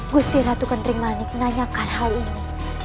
gusti ratu kentring manik nanyakan hal ini